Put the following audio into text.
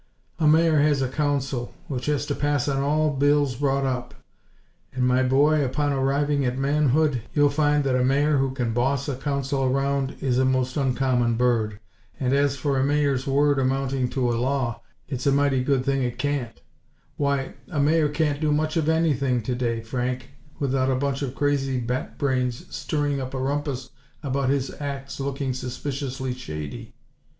A Mayor has a Council, which has to pass on all bills brought up; and, my boy, upon arriving at manhood, you'll find that a Mayor who can boss a Council around, is a most uncommon bird. And as for a Mayor's word amounting to a law, it's a mighty good thing that it can't! Why, a Mayor can't do much of anything, today, Frank, without a bunch of crazy bat brains stirring up a rumpus about his acts looking 'suspiciously shady.'